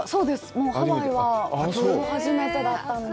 もうハワイは初めてだったんで。